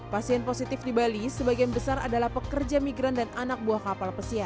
pasien positif di bali sebagian besar adalah pekerja migran dan anak buah kapal pesiar